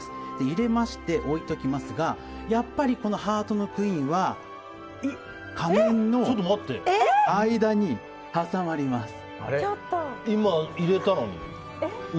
入れまして置いておきますがやっぱりこのハートのクイーンは仮面の間に挟まります。